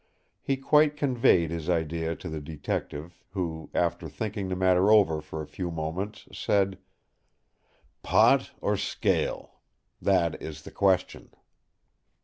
He quite conveyed his idea to the Detective, who, after thinking the matter over for a few moments, said: "Pot or scale? that is the question."